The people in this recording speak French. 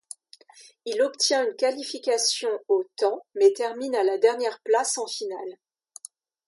Il obtient une qualification au temps, mais termine à la dernière place en finale.